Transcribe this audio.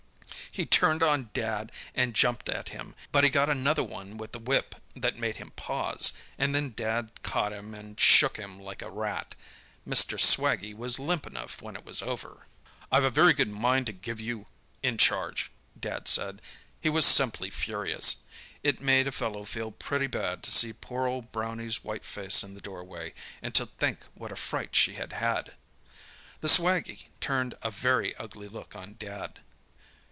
"He turned on Dad and jumped at him, but he got another one with the whip that made him pause, and then Dad caught him and shook him like a rat. Mr. Swaggie was limp enough when it was over. "'I've a very good mind to give you in charge!' Dad said—he was simply furious. It made a fellow feel pretty bad to see poor old Brownie's white face in the doorway, and to think what a fright she had had. "The swaggie turned a very ugly look on Dad.